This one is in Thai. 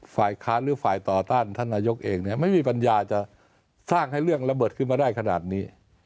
ฝ่ายค้านหรือฝ่ายต่อต้านท่านนายกเองเนี่ยไม่มีปัญญาจะสร้างให้เรื่องระเบิดขึ้นมาได้ขนาดนี้